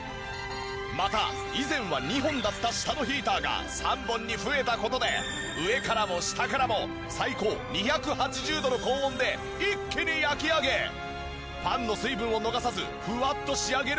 また以前は２本だった下のヒーターが３本に増えた事で上からも下からも最高２８０度の高温で一気に焼き上げパンの水分を逃さずフワッと仕上げるというんです！